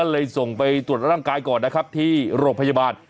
เลยส่งไปตรวจร่างกายก่อนนะครับที่โรงพยาบาล